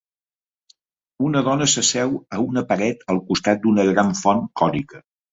Una dona s'asseu a una paret al costat d'una gran font cònica.